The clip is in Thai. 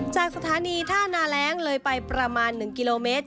จากสถานีท่านาแร้งเลยไปประมาณ๑กิโลเมตร